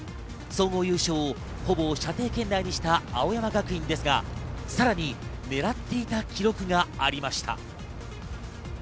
総合優勝をほぼ射程圏内にした青山学院ですが、さらに狙っていた記録がありました。